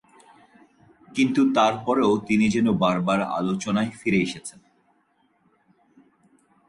কিন্তু তারপরেও, তিনি যেন বার বার আলোচনায় ফিরে এসেছেন।